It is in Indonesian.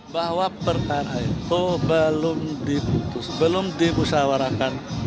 bahwa perkara itu belum diputus belum dimusyawarakan